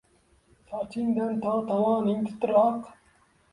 Sochingdan to tovoning titroq